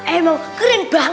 emang keren banget